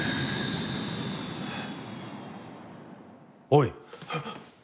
おい！